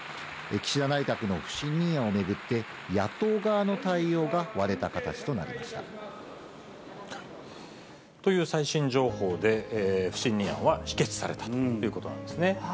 岸田内閣の不信任案を巡って、野党側の対応が割れた形となりまという最新情報で、不信任案は否決されたということなんですね。